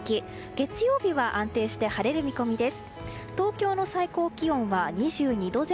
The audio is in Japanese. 月曜日は安定して晴れる見込みです。